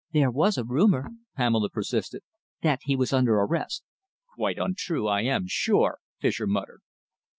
"There was a rumour," Pamela persisted, "that he was under arrest." "Quite untrue, I am sure," Fischer muttered.